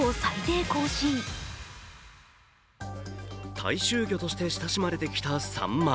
大衆魚として親しまれてきたサンマ。